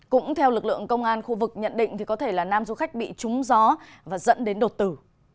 cũng theo lực lượng công an khu vực nhận định có thể là nam du khách bị trúng gió và dẫn đến đột tử